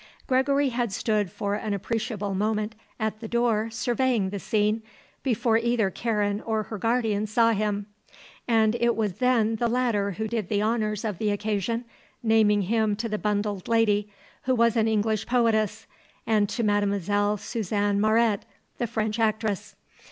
Gregory had stood for an appreciable moment at the door surveying the scene, before either Karen or her guardian saw him, and it was then the latter who did the honours of the occasion, naming him to the bundled lady, who was an English poetess, and to Mlle. Suzanne Mauret, the French actress.